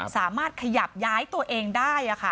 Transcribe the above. สามารถขยับย้ายตัวเองได้